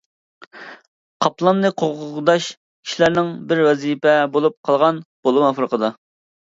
قاپلاننى قوغداش كىشىلەرنىڭ بىر ۋەزىپە بولۇپ قالغان، بولۇپمۇ ئافرىقىدا.